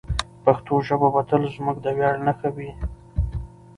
پښتو ژبه به تل زموږ د ویاړ نښه وي.